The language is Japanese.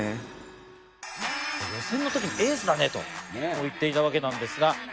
予選の時に「エースだね」とこう言っていたわけなんですが。